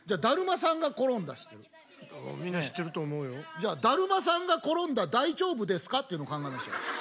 じゃあだるまさんが転んだ大丈夫ですかっていうの考えましょう。